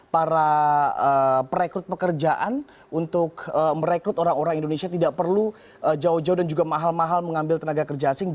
para perekrut pekerjaan untuk merekrut orang orang indonesia tidak perlu jauh jauh dan juga mahal mahal mengambil tenaga kerja asing